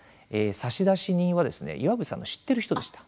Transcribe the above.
差出人は岩渕さんの知っている人でした。